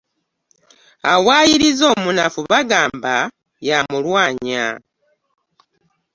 Awaayiriza omunafu bagamba y'amulwanya.